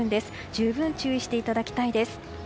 十分、注意していただきたいです。